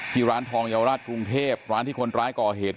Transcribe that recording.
ร้านทองเยาวราชกรุงเทพร้านที่คนร้ายก่อเหตุ